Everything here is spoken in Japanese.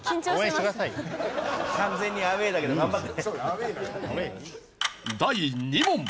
完全にアウェーだけど頑張って。